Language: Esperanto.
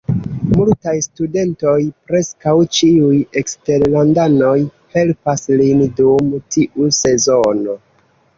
Multaj studentoj, preskaŭ ĉiuj eksterlandanoj, helpas lin dum tiu sezono.